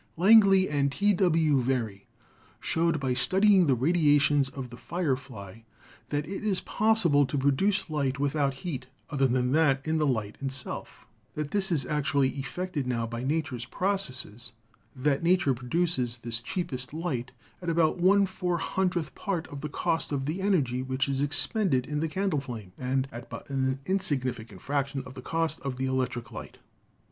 Langley and T. W. Very showed by studying the radia tions of the firefly "that it is possible to produce light without heat, other than that in the light itself; that this is actually effected now by nature's processes; that nature produces this cheapest light at about one four hundredth part of the cost of the energy which is expended in the candle flame, and at but an insignificant fraction of the cost of the electric light."